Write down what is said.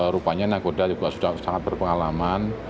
rupanya nakoda juga sudah sangat berpengalaman